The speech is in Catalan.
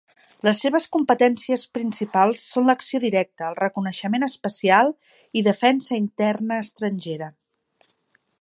Les seves competències principals són l'acció directa, el reconeixement especial i defensa interna estrangera.